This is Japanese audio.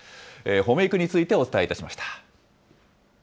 ほめ育についてお伝えいたしました。